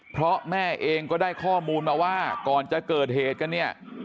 เพราะแม่เองก็ได้ข้อมูลมาว่าก่อนจะเกิดเหตุกันเนี่ย